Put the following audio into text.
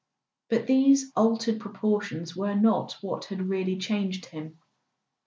But these altered proportions were not what had really changed him.